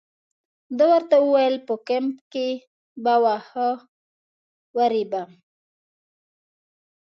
ده ورته وویل په کمپ کې به واښه ورېبم.